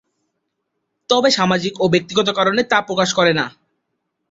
তবে সামাজিক ও ব্যক্তিগত কারণে তা প্রকাশ করে না।